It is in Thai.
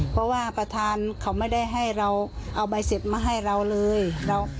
เพราะว่าประธานเขาไม่ได้ให้เราเอาใบเสร็จมาให้เราเลย